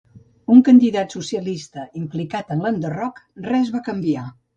Un candidat socialista implicat en l'enderroc, res va canviar.